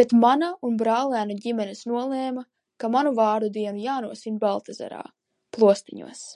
"Bet mana un brālēnu ģimenes nolēma, ka manu vārda dienu jānosvin Baltezerā, "Plostiņos"."